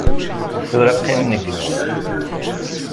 Tura qqimen igennuren.